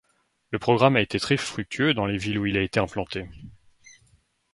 Le programme a été très fructueux dans les villes où il a été implanté.